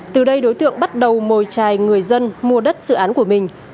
từ đây đối tượng bắt đầu mồi trài người dân mua đất dự án của mình